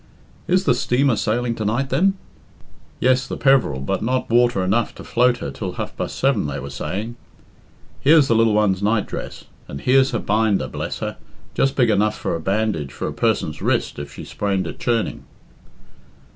"Is the steamer sailing to night, then?'' "Yes, the Peveril; but not water enough to float her till half past seven, they were saying. Here's the lil one's nightdress, and here's her binder, bless her just big enough for a bandage for a person's wrist if she sprained it churning."